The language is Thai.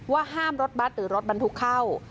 ว่าห้ามรถบัตรหรือรถบันทุกข้าว